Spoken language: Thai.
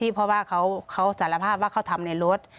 เพราะว่าเขาสารภาพว่าเขาทำในรถ